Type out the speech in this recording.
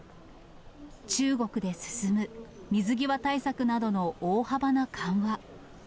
中国で進む、水際対策などの大幅な緩和。